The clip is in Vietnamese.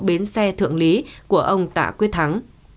bến xe thượng lý của ông tạ quyết thắng